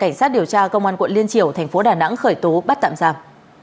cảnh sát điều tra công an quận liên triều thành phố đà nẵng khởi tố bắt tạm giam